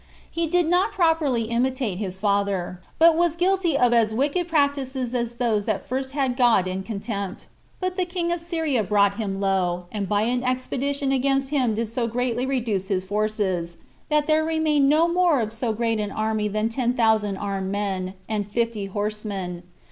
He did not [properly] imitate his father, but was guilty of as wicked practices as those that first had God in contempt: but the king of Syria brought him low, and by an expedition against him did so greatly reduce his forces, that there remained no more of so great an army than ten thousand armed men, and fifty horsemen.